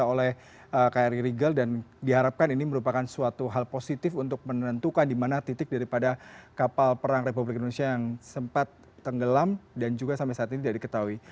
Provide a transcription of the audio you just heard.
oleh kri rigel dan diharapkan ini merupakan suatu hal positif untuk menentukan di mana titik daripada kapal perang republik indonesia yang sempat tenggelam dan juga sampai saat ini tidak diketahui